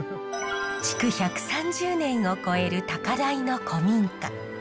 築１３０年を超える高台の古民家。